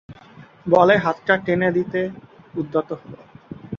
বলে হাতটা টেনে নিতে উদ্যত হল।